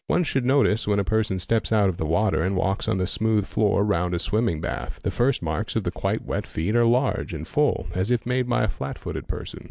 One should Otice when a person steps out of the water and walks on the smooth or round a swimming bath. The first marks of the quite wet feet are irge and full, as if made by a flat footed person.